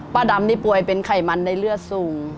ดำนี่ป่วยเป็นไขมันในเลือดสูง